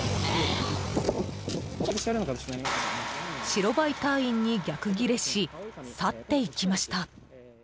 白バイ隊員に逆ギレし去っていきました。